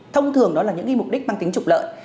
thông thường đó là những mục đích mang tính trục lợi